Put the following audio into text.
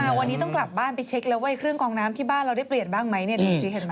วันนี้ต้องกลับบ้านไปเช็คแล้วว่าเครื่องกองน้ำที่บ้านเราได้เปลี่ยนบ้างไหมเนี่ยดูสิเห็นไหม